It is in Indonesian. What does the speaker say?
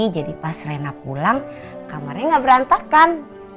jadi pas rena pulang kamarnya gak berantakan